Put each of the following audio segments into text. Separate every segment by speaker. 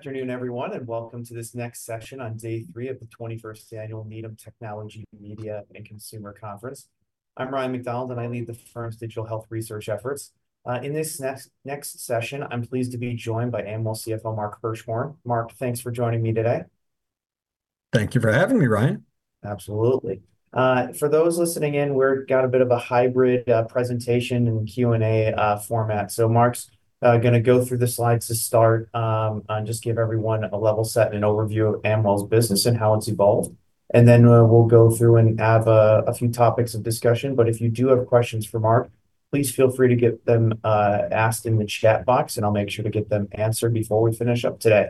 Speaker 1: Afternoon, everyone, welcome to this next session on day three of the 21st Annual Needham Technology, Media, & Consumer Conference. I'm Ryan MacDonald, I lead the firm's digital health research efforts. In this next session, I'm pleased to be joined by Amwell CFO, Mark Hirschhorn. Mark, thanks for joining me today.
Speaker 2: Thank you for having me, Ryan.
Speaker 1: Absolutely. For those listening in, we've got a bit of a hybrid presentation and Q&A format. Mark's gonna go through the slides to start, and just give everyone a level set and overview of Amwell's business and how it's evolved, and then we'll go through and have a few topics of discussion. If you do have questions for Mark, please feel free to get them asked in the chat box, and I'll make sure to get them answered before we finish up today.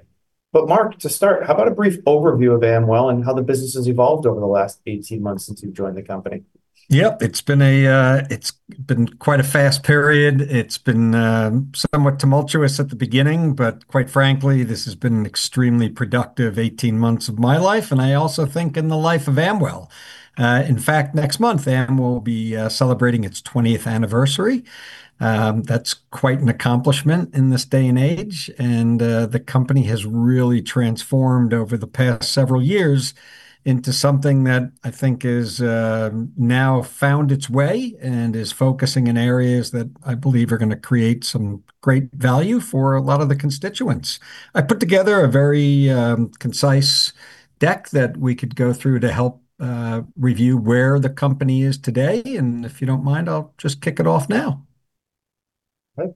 Speaker 1: Mark, to start, how about a brief overview of Amwell and how the business has evolved over the last 18 months since you've joined the company?
Speaker 2: Yep. It's been quite a fast period. It's been somewhat tumultuous at the beginning, but quite frankly, this has been an extremely productive 18 months of my life, and I also think in the life of Amwell. In fact, next month, Amwell will be celebrating its 20th anniversary. That's quite an accomplishment in this day and age, and the company has really transformed over the past several years into something that I think is now found its way and is focusing in areas that I believe are gonna create some great value for a lot of the constituents. I put together a very concise deck that we could go through to help review where the company is today. If you don't mind, I'll just kick it off now.
Speaker 1: Okay.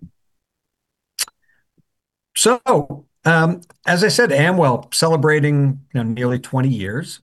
Speaker 2: As I said, Amwell celebrating, you know, nearly 20 years.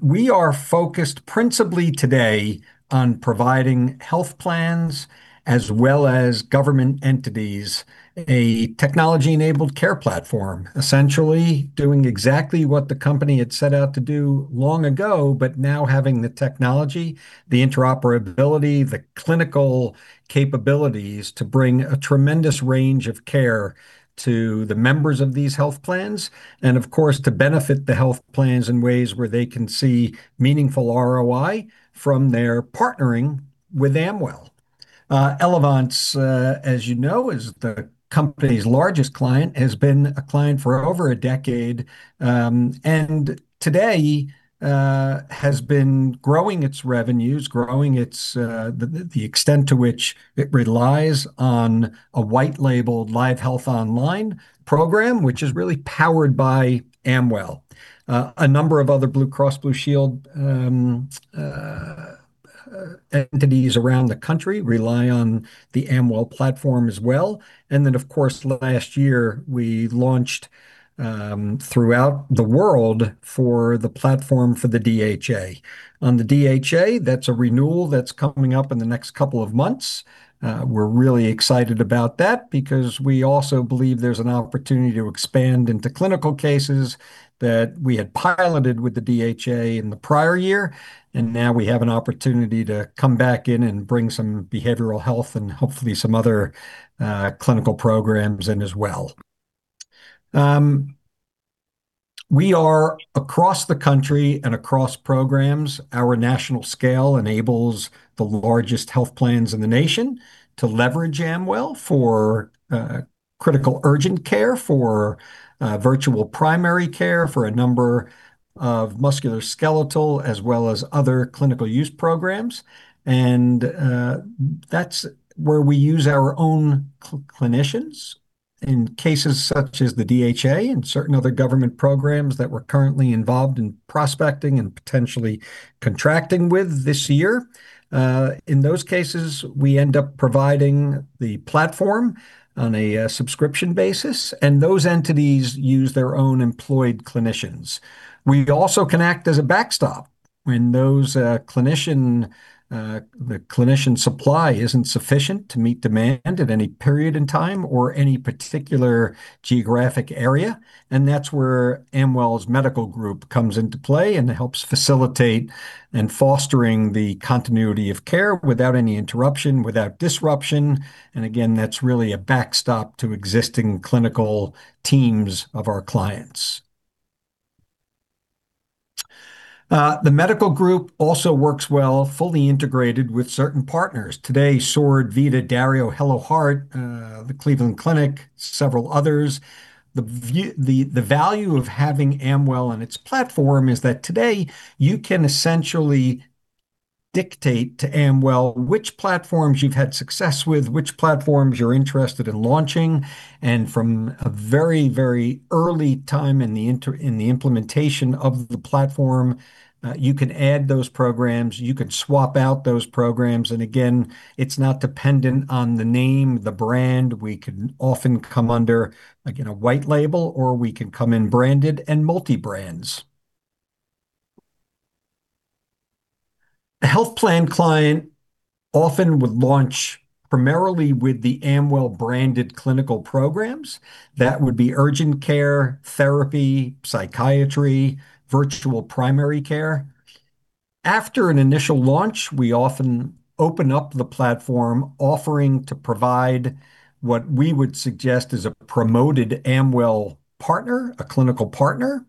Speaker 2: We are focused principally today on providing health plans as well as government entities, a technology-enabled care platform, essentially doing exactly what the company had set out to do long ago, but now having the technology, the interoperability, the clinical capabilities to bring a tremendous range of care to the members of these health plans, and of course, to benefit the health plans in ways where they can see meaningful ROI from their partnering with Amwell. Elevance, as you know, is the company's largest client, has been a client for over a decade, and today, has been growing its revenues, growing its, the extent to which it relies on a white-labeled LiveHealth Online program, which is really powered by Amwell. A number of other Blue Cross Blue Shield entities around the country rely on the Amwell platform as well. Of course, last year, we launched throughout the world for the platform for the DHA. On the DHA, that's a renewal that's coming up in the next couple of months. We're really excited about that because we also believe there's an opportunity to expand into clinical cases that we had piloted with the DHA in the prior year, and now we have an opportunity to come back in and bring some behavioral health and hopefully some other clinical programs in as well. We are across the country and across programs. Our national scale enables the largest health plans in the nation to leverage Amwell for critical urgent care, for virtual primary care, for a number of musculoskeletal, as well as other clinical use programs. That's where we use our own clinicians in cases such as the DHA and certain other government programs that we're currently involved in prospecting and potentially contracting with this year. In those cases, we end up providing the platform on a subscription basis, and those entities use their own employed clinicians. We also can act as a backstop when those clinician, the clinician supply isn't sufficient to meet demand at any period in time or any particular geographic area. That's where Amwell's medical group comes into play and helps facilitate in fostering the continuity of care without any interruption, without disruption. Again, that's really a backstop to existing clinical teams of our clients. The medical group also works well, fully integrated with certain partners. Today, Sword, Vida, Dario, Hello Heart, the Cleveland Clinic, several others. The value of having Amwell and its platform is that today you can essentially dictate to Amwell which platforms you've had success with, which platforms you're interested in launching, and from a very, very early time in the implementation of the platform, you can add those programs, you can swap out those programs, and again, it's not dependent on the name, the brand. We can often come under, again, a white label, or we can come in branded and multi-brands. A health plan client often would launch primarily with the Amwell-branded clinical programs. That would be urgent care, therapy, psychiatry, virtual primary care. After an initial launch, we often open up the platform offering to provide what we would suggest is a promoted Amwell partner, a clinical partner,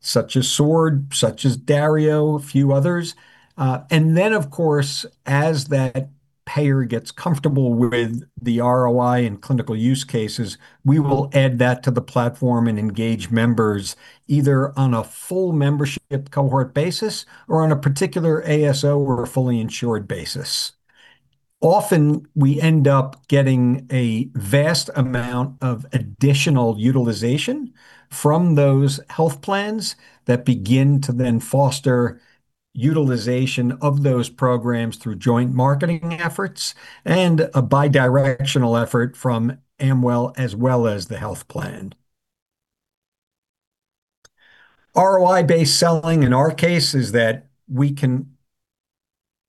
Speaker 2: such as Sword, such as Dario, a few others. Of course, as that payer gets comfortable with the ROI and clinical use cases, we will add that to the platform and engage members either on a full membership cohort basis or on a particular ASO or a fully insured basis. Often, we end up getting a vast amount of additional utilization from those health plans that begin to then foster utilization of those programs through joint marketing efforts and a bi-directional effort from Amwell as well as the health plan. ROI-based selling, in our case, is that we can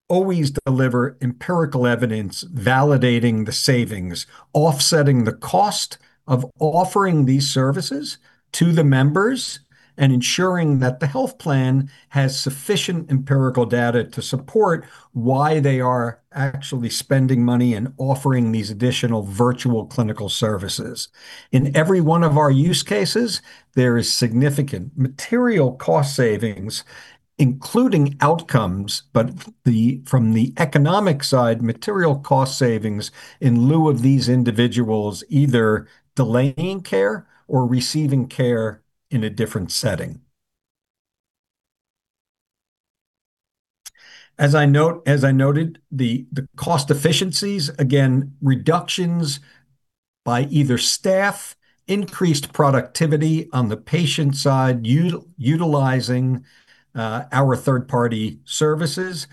Speaker 2: always deliver empirical evidence validating the savings, offsetting the cost of offering these services to the members, and ensuring that the health plan has sufficient empirical data to support why they are actually spending money and offering these additional virtual clinical services. In every one of our use cases, there is significant material cost savings, including outcomes, but from the economic side, material cost savings in lieu of these individuals either delaying care or receiving care in a different setting. As I noted, the cost efficiencies, again, reductions by either staff, increased productivity on the patient side, utilizing our third-party services.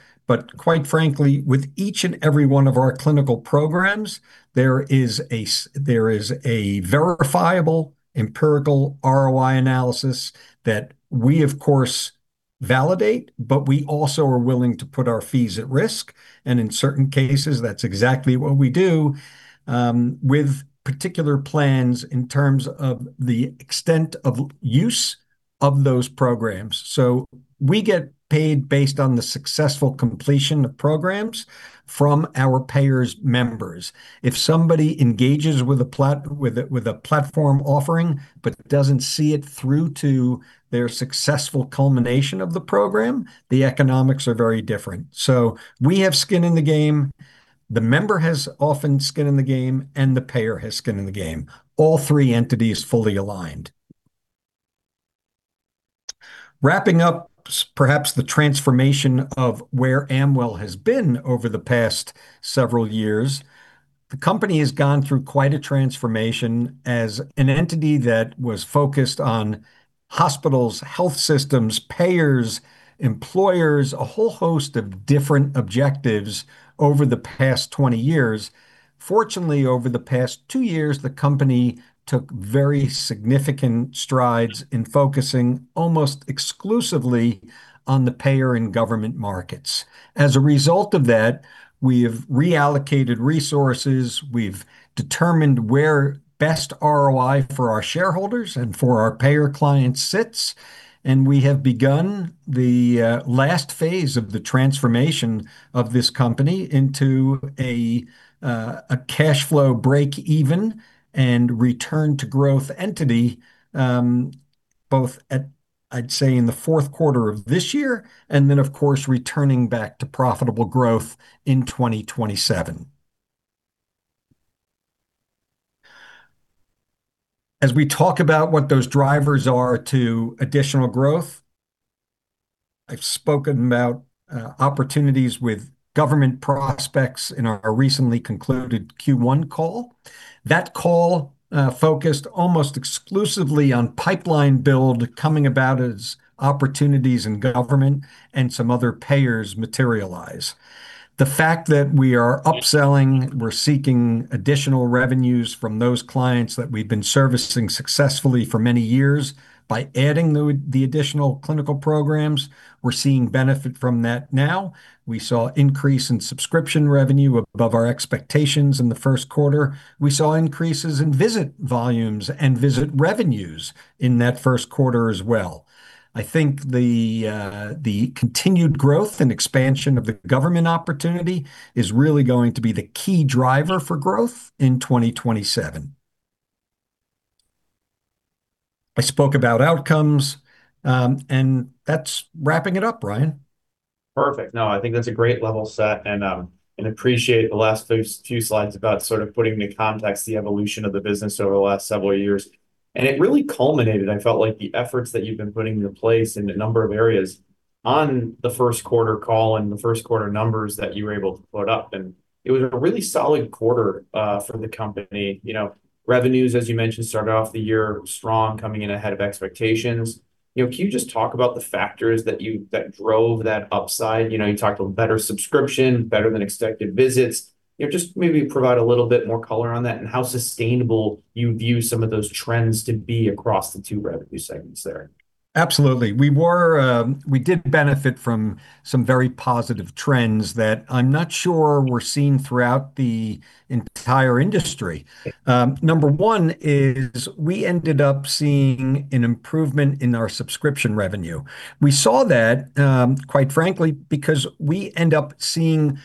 Speaker 2: Quite frankly, with each and every one of our clinical programs, there is a verifiable empirical ROI analysis that we, of course, validate, but we also are willing to put our fees at risk. In certain cases, that's exactly what we do, with particular plans in terms of the extent of use of those programs. We get paid based on the successful completion of programs from our payers' members. If somebody engages with a platform offering but doesn't see it through to their successful culmination of the program, the economics are very different. We have skin in the game, the member has often skin in the game, and the payer has skin in the game. All three entities fully aligned. Wrapping up perhaps the transformation of where Amwell has been over the past several years, the company has gone through quite a transformation as an entity that was focused on hospitals, health systems, payers, employers, a whole host of different objectives over the past 20 years. Fortunately, over the past two years, the company took very significant strides in focusing almost exclusively on the payer and government markets. As a result of that, we have reallocated resources, we've determined where best ROI for our shareholders and for our payer clients sits, and we have begun the last phase of the transformation of this company into a cash flow break-even and return to growth entity, both at, I'd say, in the fourth quarter of this year, and then of course, returning back to profitable growth in 2027. As we talk about what those drivers are to additional growth, I've spoken about opportunities with government prospects in our recently concluded Q1 call. That call focused almost exclusively on pipeline build coming about as opportunities in government and some other payers materialize. The fact that we are upselling, we're seeking additional revenues from those clients that we've been servicing successfully for many years by adding the additional clinical programs, we're seeing benefit from that now. We saw increase in subscription revenue above our expectations in the first quarter. We saw increases in visit volumes and visit revenues in that first quarter as well. I think the continued growth and expansion of the government opportunity is really going to be the key driver for growth in 2027. I spoke about outcomes, and that's wrapping it up, Ryan.
Speaker 1: Perfect. No, I think that's a great level set. Appreciate the last few slides about sort of putting into context the evolution of the business over the last several years. It really culminated, I felt like, the efforts that you've been putting into place in a number of areas on the first quarter call and the first quarter numbers that you were able to put up. It was a really solid quarter for the company. You know, revenues, as you mentioned, started off the year strong, coming in ahead of expectations. You know, can you just talk about the factors that drove that upside? You know, you talked about better subscription, better than expected visits. You know, just maybe provide a little bit more color on that and how sustainable you view some of those trends to be across the two revenue segments there.
Speaker 2: Absolutely. We did benefit from some very positive trends that I'm not sure were seen throughout the entire industry. Number one is we ended up seeing an improvement in our subscription revenue. We saw that, quite frankly because we end up seeing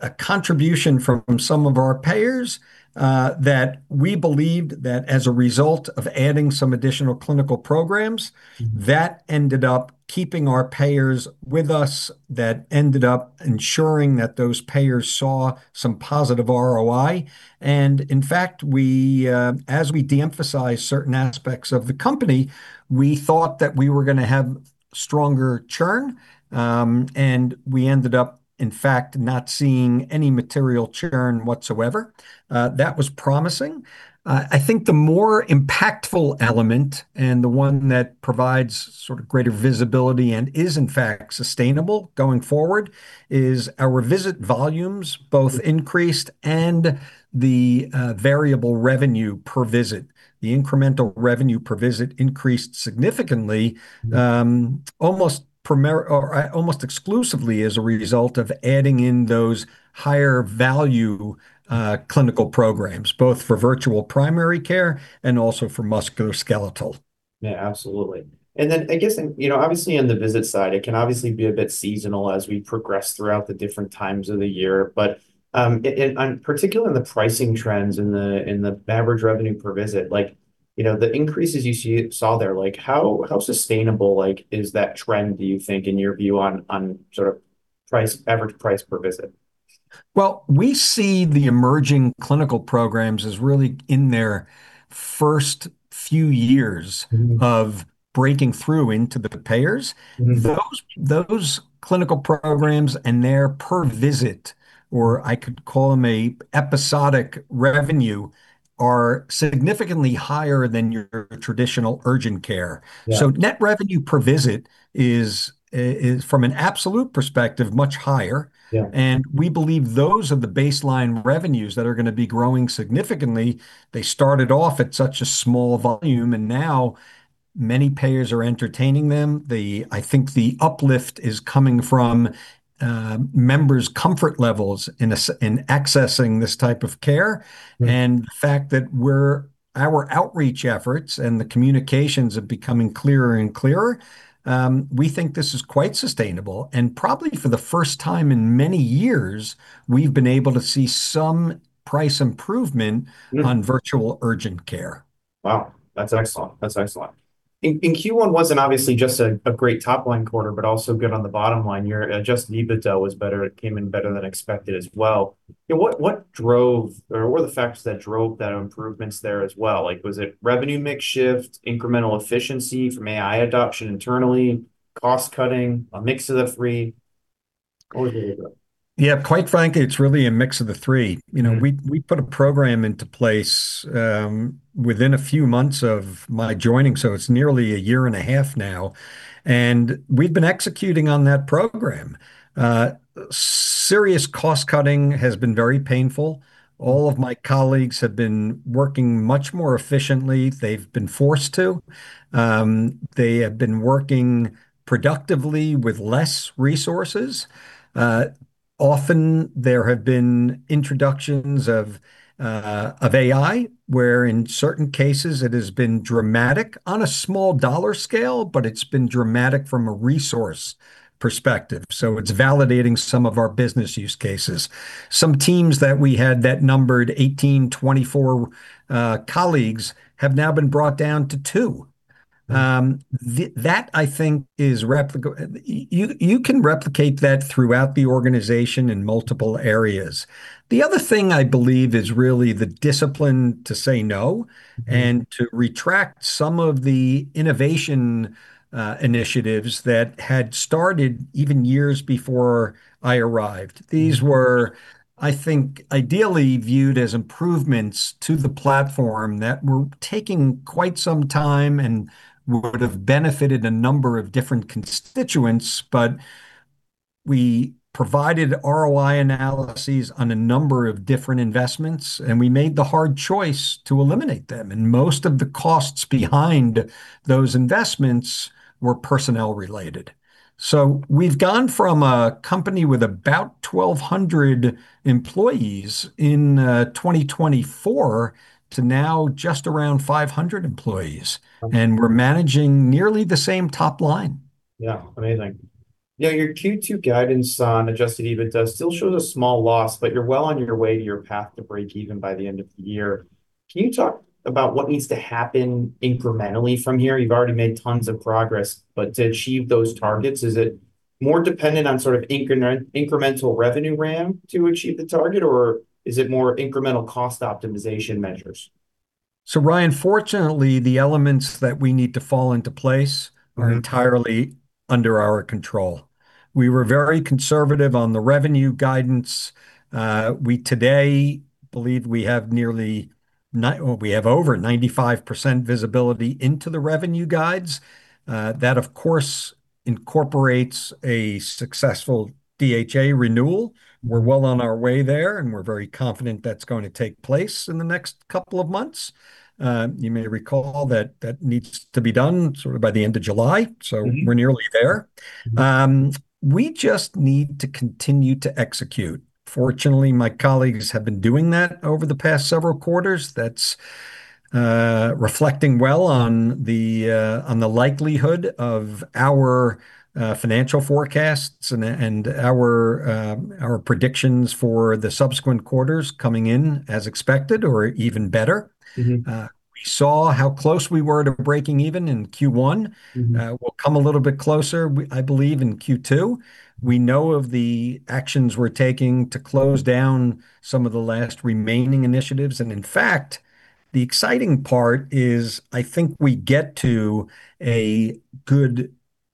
Speaker 2: a contribution from some of our payers that we believed that as a result of adding some additional clinical programs, that ended up keeping our payers with us, that ended up ensuring that those payers saw some positive ROI. In fact, we, as we de-emphasize certain aspects of the company, we thought that we were gonna have stronger churn. We ended up, in fact, not seeing any material churn whatsoever. That was promising. I think the more impactful element, and the one that provides sort of greater visibility and is in fact sustainable going forward, is our visit volumes both increased and the variable revenue per visit. The incremental revenue per visit increased significantly, almost exclusively as a result of adding in those higher value clinical programs, both for virtual primary care and also for musculoskeletal.
Speaker 1: Yeah, absolutely. I guess, you know, obviously on the visit side, it can obviously be a bit seasonal as we progress throughout the different times of the year. Particularly in the pricing trends in the average revenue per visit, like, you know, the increases you saw there, like how sustainable, like, is that trend, do you think, in your view on sort of price, average price per visit?
Speaker 2: Well, we see the emerging clinical programs as really in their first few years. of breaking through into the payers. Those clinical programs and their per visit, or I could call them a episodic revenue, are significantly higher than your traditional urgent care.
Speaker 1: Yeah.
Speaker 2: Net revenue per visit is from an absolute perspective, much higher.
Speaker 1: Yeah.
Speaker 2: We believe those are the baseline revenues that are gonna be growing significantly. They started off at such a small volume, and now many payers are entertaining them. I think the uplift is coming from members' comfort levels in accessing this type of care. The fact that our outreach efforts and the communications are becoming clearer and clearer, we think this is quite sustainable. Probably for the first time in many years, we've been able to see some price improvement. on virtual urgent care.
Speaker 1: Wow, that's excellent. That's excellent. Q1 wasn't obviously just a great top line quarter, but also good on the bottom line. Your adjusted EBITDA was better. It came in better than expected as well. You know, what drove or what were the factors that drove that improvements there as well? Like was it revenue mix shift, incremental efficiency from AI adoption internally, cost-cutting, a mix of the three?
Speaker 2: Yeah, quite frankly, it's really a mix of the three. You know, we put a program into place within a few months of my joining, so it's nearly a year and a half now. We've been executing on that program. Serious cost-cutting has been very painful. All of my colleagues have been working much more efficiently. They've been forced to. They have been working productively with less resources. Often there have been introductions of AI, where in certain cases it has been dramatic on a small dollar scale, but it's been dramatic from a resource perspective. It's validating some of our business use cases. Some teams that we had that numbered 18, 24 colleagues have now been brought down to two. You can replicate that throughout the organization in multiple areas. The other thing I believe is really the discipline to say no. to retract some of the innovation initiatives that had started even years before I arrived. These were, I think, ideally viewed as improvements to the platform that were taking quite some time and would have benefited a number of different constituents. We provided ROI analyses on a number of different investments, and we made the hard choice to eliminate them, and most of the costs behind those investments were personnel related. We've gone from a company with about 1,200 employees in 2024 to now just around 500 employees.
Speaker 1: Okay.
Speaker 2: We're managing nearly the same top line.
Speaker 1: Yeah. Amazing. Your Q2 guidance on adjusted EBITDA still shows a small loss, but you're well on your way to your path to break even by the end of the year. Can you talk about what needs to happen incrementally from here? You've already made tons of progress, but to achieve those targets, is it more dependent on sort of incremental revenue RAM to achieve the target, or is it more incremental cost optimization measures?
Speaker 2: Ryan, fortunately, the elements that we need to fall into place. are entirely under our control. We were very conservative on the revenue guidance. We today believe we have over 95% visibility into the revenue guidance. That of course incorporates a successful DHA renewal. We're well on our way there, and we're very confident that's going to take place in the next couple of months. You may recall that that needs to be done sort of by the end of July. We're nearly there. We just need to continue to execute. Fortunately, my colleagues have been doing that over the past several quarters. That's reflecting well on the likelihood of our financial forecasts and our predictions for the subsequent quarters coming in as expected or even better. We saw how close we were to breaking even in Q1. We'll come a little bit closer I believe in Q2. We know of the actions we're taking to close down some of the last remaining initiatives, and in fact, the exciting part is I think we get to a good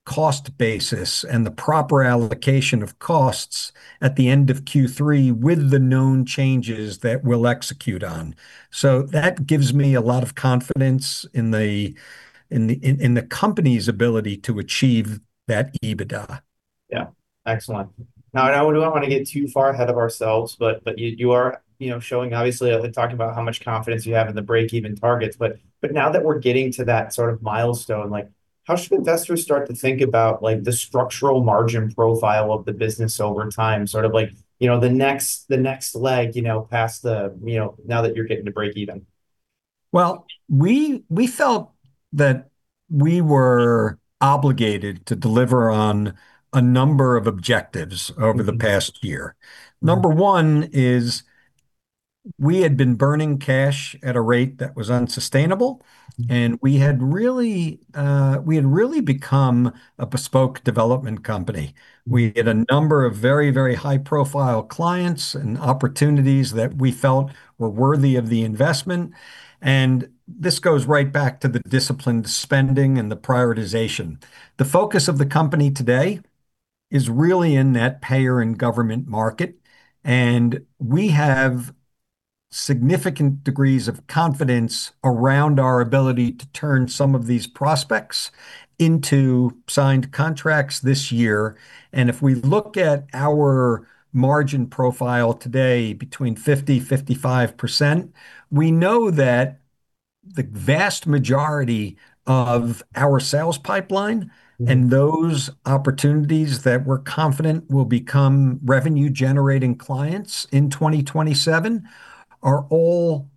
Speaker 2: cost basis and the proper allocation of costs at the end of Q3 with the known changes that we'll execute on. That gives me a lot of confidence in the company's ability to achieve that EBITDA.
Speaker 1: Yeah. Excellent. I don't wanna get too far ahead of ourselves, but you are, you know, showing obviously, talking about how much confidence you have in the break-even targets. Now that we're getting to that sort of milestone, how should investors start to think about the structural margin profile of the business over time, sort of, the next leg, past the, now that you're getting to break-even?
Speaker 2: Well, we felt that we were obligated to deliver on a number of objectives. over the past year. Number one is we had been burning cash at a rate that was unsustainable. We had really become a bespoke development company. We had a number of very, very high-profile clients and opportunities that we felt were worthy of the investment, and this goes right back to the disciplined spending and the prioritization. The focus of the company today is really in net payer and government market, and we have significant degrees of confidence around our ability to turn some of these prospects into signed contracts this year. If we look at our margin profile today between 50%-55%, we know that the vast majority of our sales pipeline. Those opportunities that we're confident will become revenue-generating clients in 2027 are all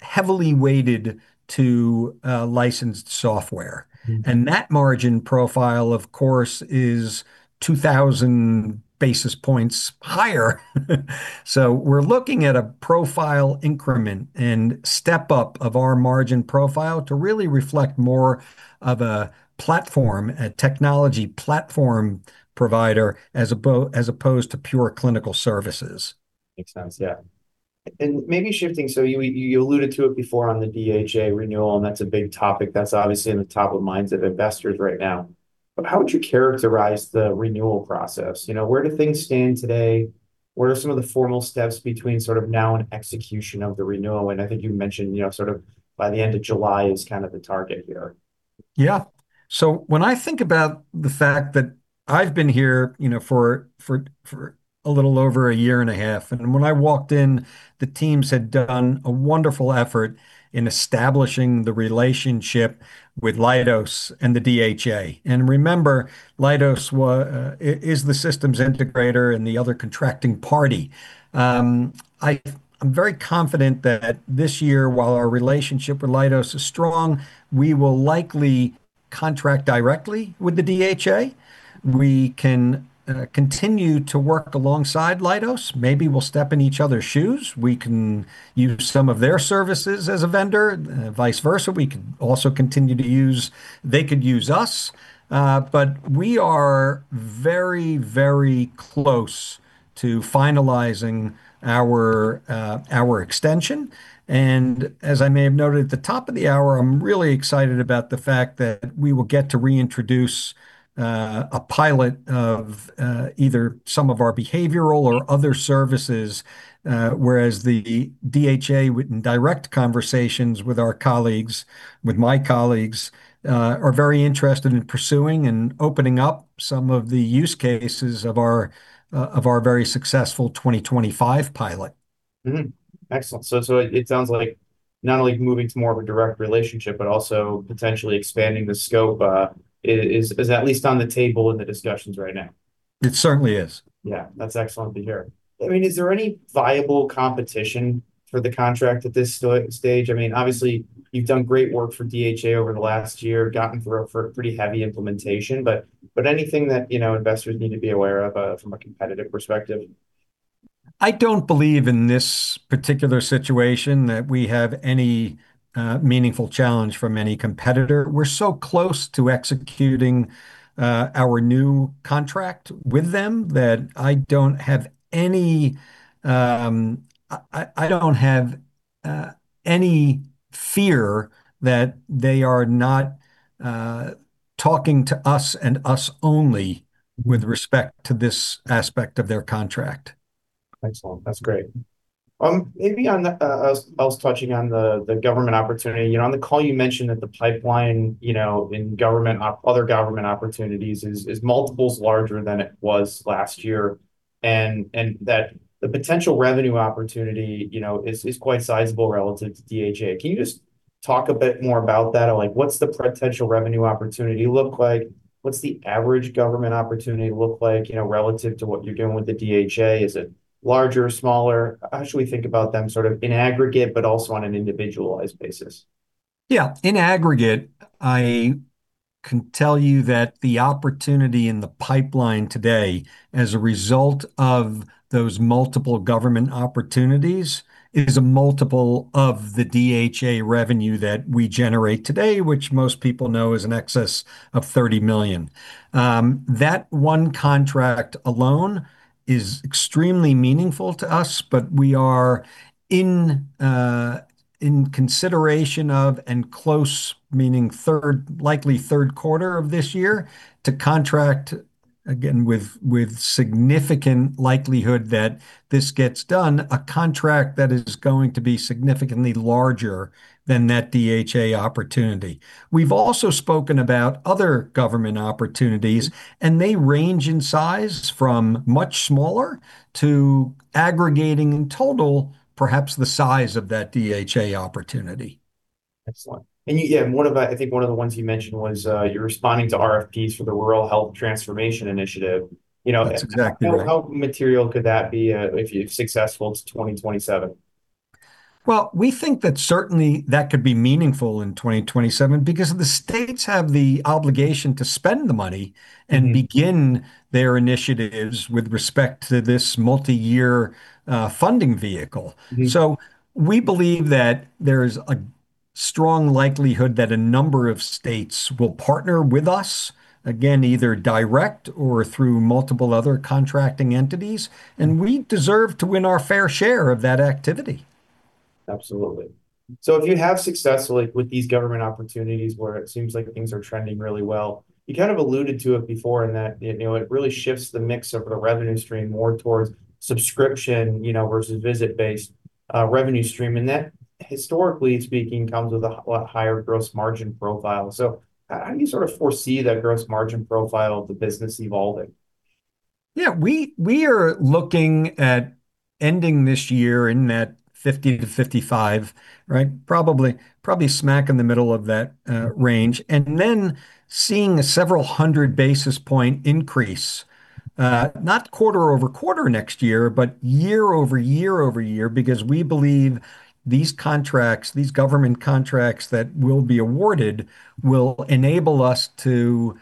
Speaker 2: heavily weighted to licensed software. That margin profile, of course, is 2,000 basis points higher. We're looking at a profile increment and step up of our margin profile to really reflect more of a platform, a technology platform provider as opposed to pure clinical services.
Speaker 1: Makes sense, yeah. Maybe shifting, so you alluded to it before on the DHA renewal, and that's a big topic that's obviously in the top of minds of investors right now. How would you characterize the renewal process? You know, where do things stand today? What are some of the formal steps between sort of now and execution of the renewal? I think you mentioned, you know, sort of by the end of July is kind of the target here.
Speaker 2: Yeah. When I think about the fact that I've been here, you know, for a little over a year and a half, and when I walked in, the teams had done a wonderful effort in establishing the relationship with Leidos and the DHA. Remember, Leidos is the systems integrator and the other contracting party. I'm very confident that this year, while our relationship with Leidos is strong, we will likely contract directly with the DHA. We can continue to work alongside Leidos. Maybe we'll step in each other's shoes. We can use some of their services as a vendor, vice versa. They could use us. We are very, very close to finalizing our extension, and as I may have noted at the top of the hour, I'm really excited about the fact that we will get to reintroduce a pilot of either some of our behavioral or other services, whereas the DHA, in direct conversations with our colleagues, with my colleagues, are very interested in pursuing and opening up some of the use cases of our very successful 2025 pilot.
Speaker 1: Excellent. It sounds like not only moving to more of a direct relationship, but also potentially expanding the scope, is at least on the table in the discussions right now.
Speaker 2: It certainly is.
Speaker 1: Yeah. That's excellent to hear. I mean, is there any viable competition for the contract at this stage? I mean, obviously you've done great work for DHA over the last year, gotten through a pretty heavy implementation. Anything that, you know, investors need to be aware of from a competitive perspective?
Speaker 2: I don't believe in this particular situation that we have any meaningful challenge from any competitor. We're so close to executing our new contract with them that I don't have any, I don't have any fear that they are not talking to us, and us only with respect to this aspect of their contract.
Speaker 1: Excellent. That's great. Maybe on the touching on the government opportunity. You know, on the call you mentioned that the pipeline, you know, in other government opportunities is multiples larger than it was last year, and that the potential revenue opportunity, you know, is quite sizable relative to DHA. Can you just talk a bit more about that? Like, what's the potential revenue opportunity look like? What's the average government opportunity look like, you know, relative to what you're doing with the DHA? Is it larger or smaller? How should we think about them sort of in aggregate, but also on an individualized basis?
Speaker 2: Yeah. In aggregate, I can tell you that the opportunity in the pipeline today as a result of those multiple government opportunities is a multiple of the DHA revenue that we generate today, which most people know is in excess of $30 million. That one contract alone is extremely meaningful to us, but we are in consideration of and close, meaning third, likely third quarter of this year to contract again with significant likelihood that this gets done, a contract that is going to be significantly larger than that DHA opportunity. We've also spoken about other government opportunities, they range in size from much smaller to aggregating in total perhaps the size of that DHA opportunity.
Speaker 1: Excellent. Yeah, and one of the, I think one of the ones you mentioned was, you're responding to RFPs for the Rural Health Transformation Program. You know.
Speaker 2: That's exactly right.
Speaker 1: How material could that be, if you're successful, to 2027?
Speaker 2: Well, we think that certainly that could be meaningful in 2027 because the states have the obligation to spend the money and begin their initiatives with respect to this multi-year funding vehicle. We believe that there's a strong likelihood that a number of states will partner with us, again, either direct or through multiple other contracting entities, and we deserve to win our fair share of that activity.
Speaker 1: Absolutely. If you have success, like, with these government opportunities where it seems like things are trending really well, you kind of alluded to it before in that, you know, it really shifts the mix of a revenue stream more towards subscription, you know, versus visit based revenue stream, and that, historically speaking, comes with a lot higher gross margin profile. How do you sort of foresee that gross margin profile of the business evolving?
Speaker 2: Yeah. We are looking at ending this year in that 50-55, right? Probably smack in the middle of that range, and then seeing a several hundred basis point increase, not quarter-over-quarter next year, but year-over-year-over-year because we believe these contracts, these government contracts that will be awarded will enable us to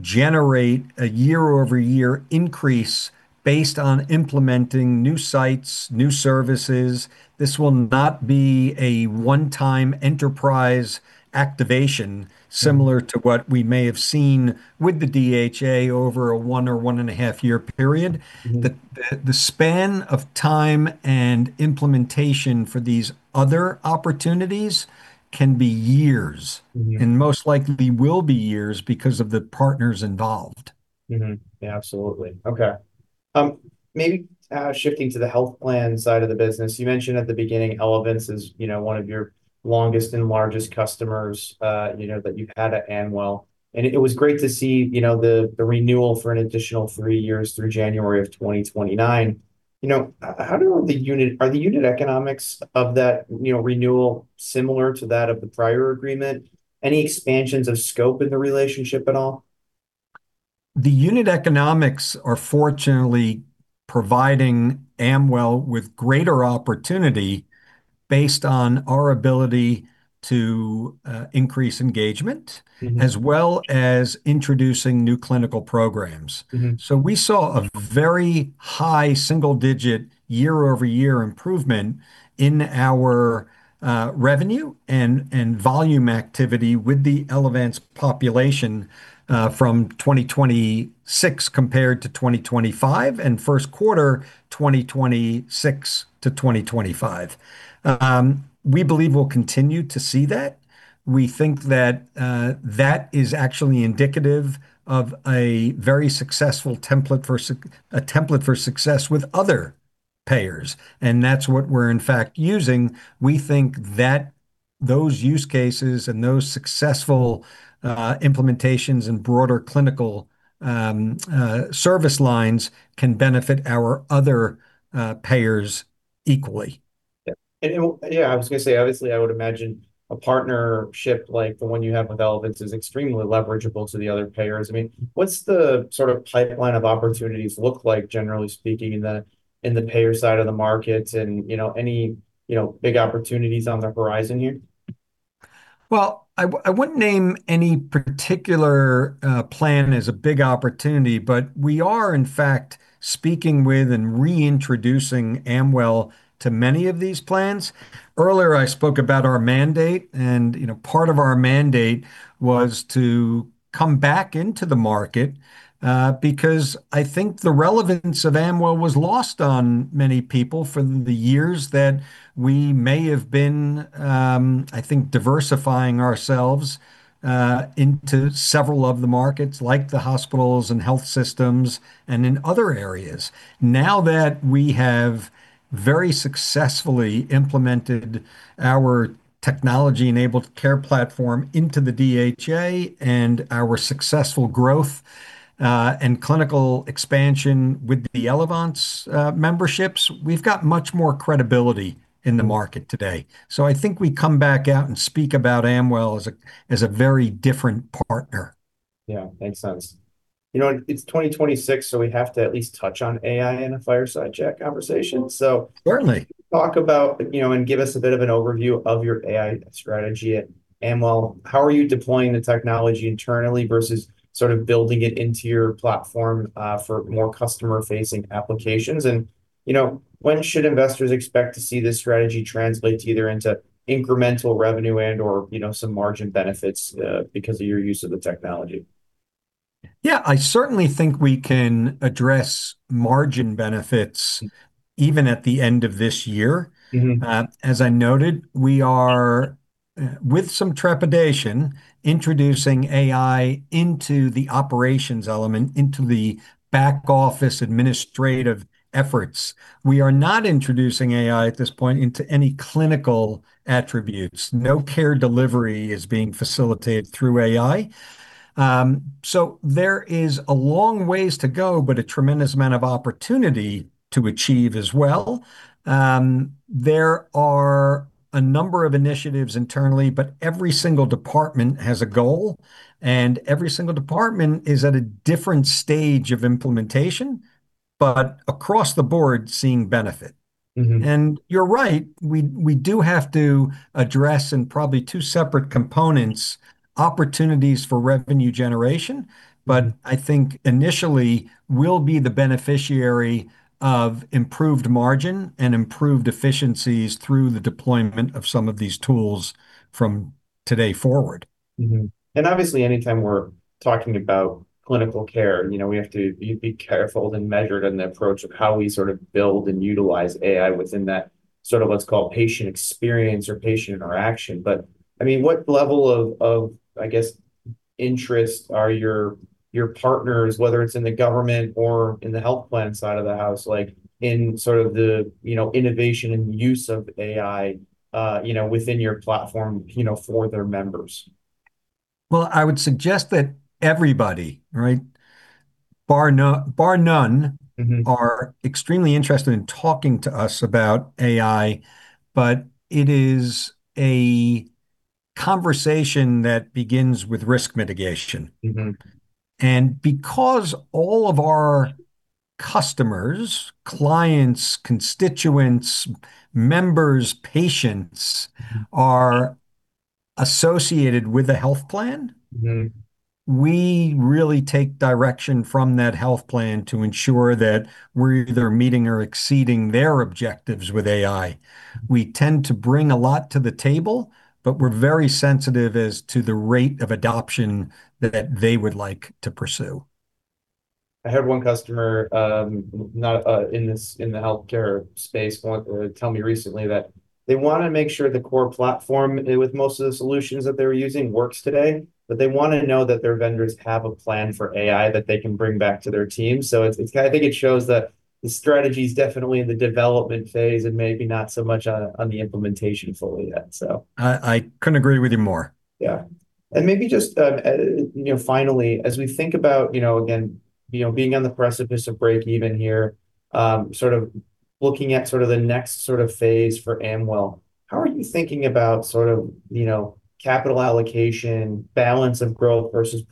Speaker 2: generate a year-over-year increase based on implementing new sites, new services. This will not be a one-time enterprise activation similar to what we may have seen with the DHA over a one or one and a half year period. The span of time and implementation for these other opportunities can be years. Most likely will be years because of the partners involved.
Speaker 1: Mm-hmm. Yeah, absolutely. Okay. Maybe shifting to the health plan side of the business. You mentioned at the beginning Elevance is, you know, one of your longest and largest customers, you know, that you've had at Amwell. It was great to see, you know, the renewal for an additional three years through January of 2029. You know, are the unit economics of that, you know, renewal similar to that of the prior agreement? Any expansions of scope in the relationship at all?
Speaker 2: The unit economics are fortunately providing Amwell with greater opportunity based on our ability to increase engagement. as well as introducing new clinical programs. We saw a very high single digit year-over-year improvement in our revenue and volume activity with the Elevance population from 2026 compared to 2025, and first quarter 2026 to 2025. We believe we'll continue to see that. We think that that is actually indicative of a very successful template for a template for success with other payers, and that's what we're in fact using. We think that those use cases and those successful implementations and broader clinical service lines can benefit our other payers equally.
Speaker 1: Yeah. Yeah, I was gonna say, obviously, I would imagine a partnership like the one you have with Elevance is extremely leverageable to the other payers. I mean, what's the sort of pipeline of opportunities look like generally speaking in the, in the payer side of the market and, you know, any, you know, big opportunities on the horizon here?
Speaker 2: I wouldn't name any particular plan as a big opportunity, but we are in fact speaking with and reintroducing Amwell to many of these plans. Earlier I spoke about our mandate and, you know, part of our mandate was to come back into the market because I think the relevance of Amwell was lost on many people for the years that we may have been, I think diversifying ourselves into several of the markets, like the hospitals and health systems and in other areas. Now that we have very successfully implemented our technology-enabled care platform into the DHA and our successful growth and clinical expansion with the Elevance memberships, we've got much more credibility in the market today. I think we come back out and speak about Amwell as a very different partner.
Speaker 1: Yeah, makes sense. You know, it's 2026, so we have to at least touch on AI in a fireside chat conversation.
Speaker 2: Certainly
Speaker 1: talk about, you know, and give us a bit of an overview of your AI strategy at Amwell. How are you deploying the technology internally versus sort of building it into your platform for more customer-facing applications? You know, when should investors expect to see this strategy translate either into incremental revenue and/or, you know, some margin benefits because of your use of the technology?
Speaker 2: Yeah, I certainly think we can address margin benefits even at the end of this year. As I noted, we are with some trepidation, introducing AI into the operations element, into the back office administrative efforts. We are not introducing AI at this point into any clinical attributes. No care delivery is being facilitated through AI. There is a long ways to go, but a tremendous amount of opportunity to achieve as well. There are a number of initiatives internally, but every single department has a goal, and every single department is at a different stage of implementation, but across the board seeing benefit. You're right, we do have to address in probably two separate components, opportunities for revenue generation. I think initially we'll be the beneficiary of improved margin and improved efficiencies through the deployment of some of these tools from today forward.
Speaker 1: Mm-hmm. Obviously anytime we're talking about clinical care, you know, we have to be careful and measured in the approach of how we sort of build and utilize AI within that sort of what's called patient experience or patient interaction. I mean, what level of, I guess, interest are your partners, whether it's in the government or in the health plan side of the house, like in sort of the, you know, innovation and use of AI, you know, within your platform, you know, for their members?
Speaker 2: I would suggest that everybody, right, bar none. are extremely interested in talking to us about AI, but it is a conversation that begins with risk mitigation. Because all of our customers, clients, constituents, members, patients are associated with a health plan. we really take direction from that health plan to ensure that we're either meeting or exceeding their objectives with AI. We tend to bring a lot to the table, but we're very sensitive as to the rate of adoption that they would like to pursue.
Speaker 1: I had one customer, not in the healthcare space go on to tell me recently that they wanna make sure the core platform with most of the solutions that they're using works today, but they wanna know that their vendors have a plan for AI that they can bring back to their team. It's, I think it shows that the strategy's definitely in the development phase and maybe not so much on the implementation fully yet.
Speaker 2: I couldn't agree with you more.
Speaker 1: Yeah. Maybe just, you know, finally, as we think about, you know, again, you know, being on the precipice of breakeven here, looking at the next phase for Amwell, how are you thinking about, you know, capital allocation, balance of growth versus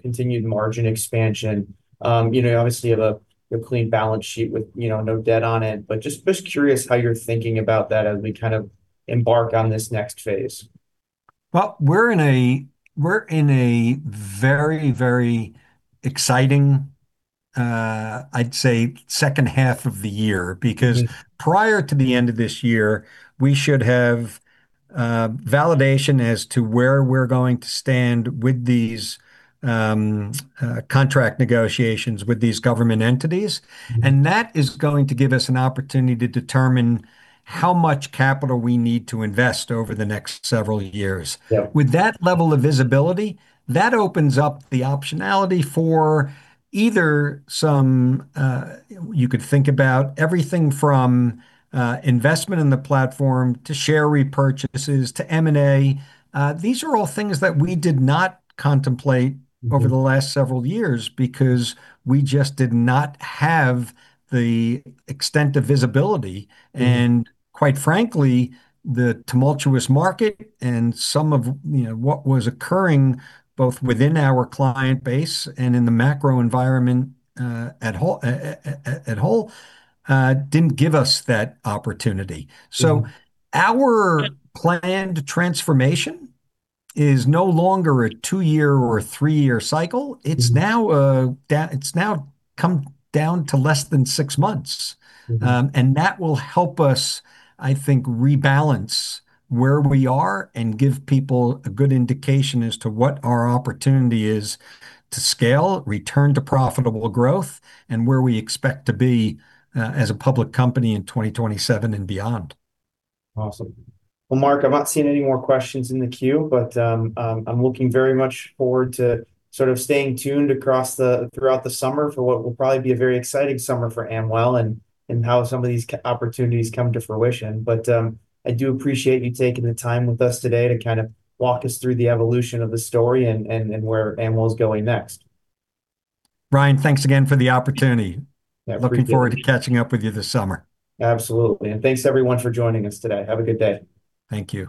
Speaker 1: continued margin expansion? You know, you obviously have a clean balance sheet with, you know, no debt on it, but just curious how you're thinking about that as we kind of embark on this next phase.
Speaker 2: Well, we're in a very, very exciting, I'd say second half of the year. Prior to the end of this year, we should have validation as to where we're going to stand with these contract negotiations with these government entities. That is going to give us an opportunity to determine how much capital we need to invest over the next several years.
Speaker 1: Yeah.
Speaker 2: With that level of visibility, that opens up the optionality for either some, you could think about everything from, investment in the platform, to share repurchases, to M&A. These are all things that we did not contemplate. over the last several years because we just did not have the extent of visibility. Quite frankly, the tumultuous market and some of, you know, what was occurring both within our client base and in the macro environment, at whole, didn't give us that opportunity. Our planned transformation is no longer a two-year or a three-year cycle. It's now come down to less than six months. That will help us, I think, rebalance where we are and give people a good indication as to what our opportunity is to scale, return to profitable growth, and where we expect to be as a public company in 2027 and beyond.
Speaker 1: Awesome. Well, Mark, I'm not seeing any more questions in the queue, but, I'm looking very much forward to sort of staying tuned across the, throughout the summer for what will probably be a very exciting summer for Amwell, and how some of these opportunities come to fruition. I do appreciate you taking the time with us today to kind of walk us through the evolution of the story and where Amwell's going next.
Speaker 2: Ryan, thanks again for the opportunity.
Speaker 1: Yeah, appreciate it.
Speaker 2: Looking forward to catching up with you this summer.
Speaker 1: Absolutely, thanks everyone for joining us today. Have a good day.
Speaker 2: Thank you.